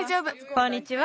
こんにちは。